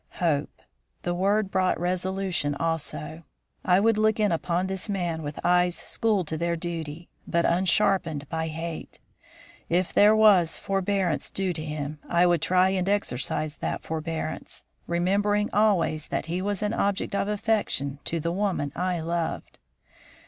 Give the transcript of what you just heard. Hope! the word brought resolution also. I would look in upon this man with eyes schooled to their duty, but unsharpened by hate. If there was forbearance due him, I would try and exercise that forbearance, remembering always that he was an object of affection to the woman I loved.